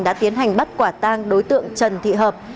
đã tiến hành bắt quả tang đối tượng trần thị hợp